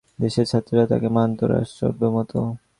দেশের ছাত্রেরা তাঁকে মানত রাজচক্রবর্তীর মতো।